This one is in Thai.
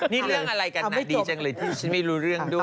นี่เรื่องอะไรกันน่ะดีจังเลยที่ฉันไม่รู้เรื่องด้วย